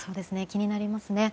気になりますね。